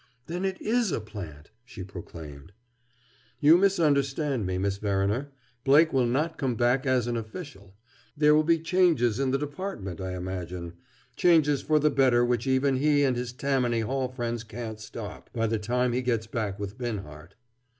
"Then it is a plant!" she proclaimed. "You misunderstand me, Miss Verriner. Blake will not come back as an official. There will be changes in the Department, I imagine; changes for the better which even he and his Tammany Hall friends can't stop, by the time he gets back with Binhart."